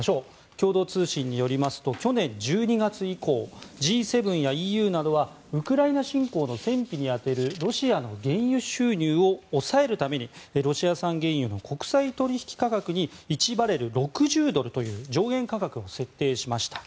共同通信によりますと去年１２月以降Ｇ７やＥＵなどがウクライナ侵攻の戦費に充てるロシアの原油収入を抑えるためにロシア産原油の国際取引価格に１バレル＝６０ドルという上限価格を設定しました。